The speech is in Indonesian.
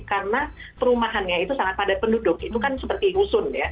karena perumahannya itu sangat padat penduduk itu kan seperti husun ya